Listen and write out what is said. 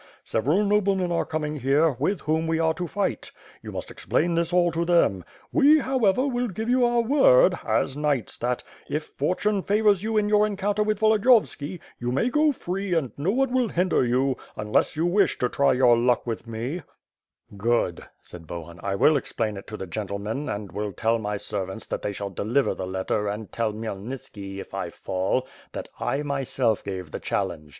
Several noblemen are coming here, with whom we are to fight. You muist explain this all to them. We. however, will give yo\i our word, as knights, that, if fortune favors you in your encounter with Volodiyovski, you may go free and no one will hinder you; unless you wish to try your luck with me." 550 WITH FIRE AND SWORD. Good," Baid Bohun, "I will explain it to the gentlemen, and will tell my servants that they shall deliver the letter and tell Khmyelnitski, if I fall, that I, myself, gave the chal lenge.